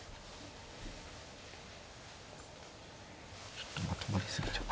ちょっとまとまり過ぎちゃった。